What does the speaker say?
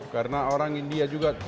karena orang india juga tuh